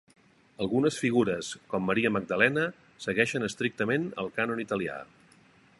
Algunes figures, com Maria Magdalena, segueixen estrictament el cànon italià.